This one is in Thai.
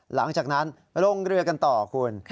หลังจากนั้นลงเรือกันต่อคุณ